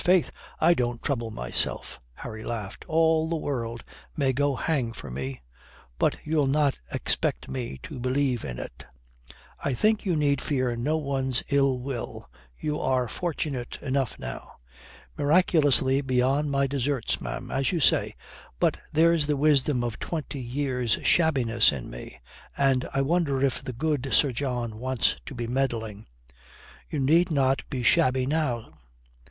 Faith, I don't trouble myself." Harry laughed. "All the world may go hang for me. But you'll not expect me to believe in it." "I think you need fear no one's ill will. You are fortunate enough now." "Miraculously beyond my deserts, ma'am. As you say. But there's the wisdom of twenty years' shabbiness in me. And I wonder if the good Sir John wants to be meddling." "You need not be shabby now."